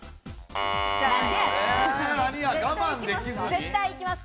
絶対行きます。